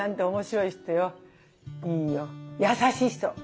いいよ優しい人。